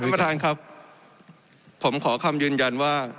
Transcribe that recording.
ประธานครับผมขอคำยืนยันว่า